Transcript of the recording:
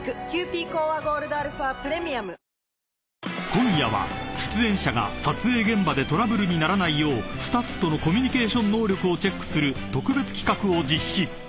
［今夜は出演者が撮影現場でトラブルにならないようスタッフとのコミュニケーション能力をチェックする特別企画を実施］